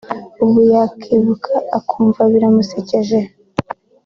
ubu yakibuka akumva biramusekeje